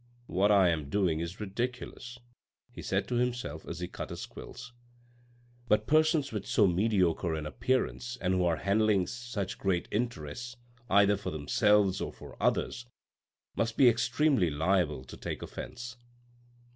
" What I am doing is ridiculous," he said to himself as he cut his quills, " but persons with so mediocre an appearance and who are handling such great interests either for themselves or for others must be extremely liable to take offence.